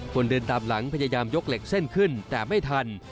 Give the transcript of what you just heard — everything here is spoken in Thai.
คนเดินตามหลังพยายามยกเหล็กเส้นขึ้นแต่ไม่ทัน